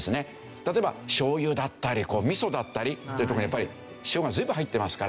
例えばしょうゆだったりみそだったりっていうとこもやっぱり塩が随分入ってますから。